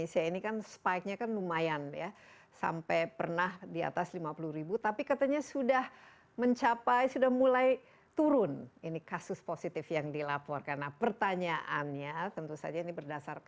sedangkan di industri kan ukurannya besar